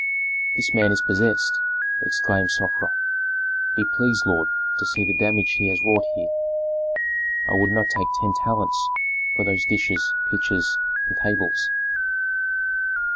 "This man is possessed!" exclaimed Sofra. "Be pleased, lord, to see the damage he has wrought here. I would not take ten talents for those dishes, pitchers, and tables."